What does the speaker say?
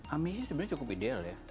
amisi sebenarnya cukup ideal ya